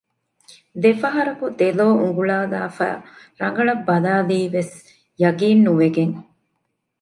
ދެފަހަރަކު ދެލޯ އުނގުޅާލާފައި ރަނގަޅަށް ބަލައިލީވެސް ޔަޤީންނުވެގެން